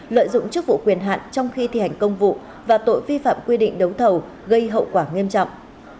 lợi dụng chức vụ quyền hạn trong khi thi hành công vụ và tội vi phạm quy định đấu thầu gây hậu quả nghiêm trọng